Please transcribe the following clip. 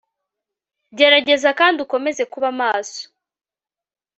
gerageza kandi ukomeze kuba maso